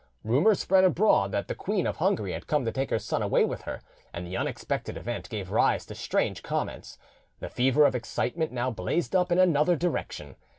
Rumour spread abroad that the Queen of Hungary had come to take her son away with her, and the unexpected event gave rise to strange comments: the fever of excitement now blazed up in another direction.